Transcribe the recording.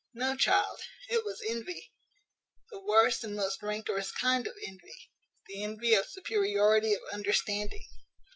No, child, it was envy, the worst and most rancorous kind of envy, the envy of superiority of understanding.